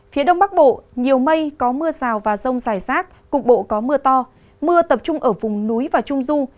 phía đông bắc bộ nhiều mây có mưa rào và rông dài rác cục bộ có mưa to mưa tập trung ở vùng núi và trung du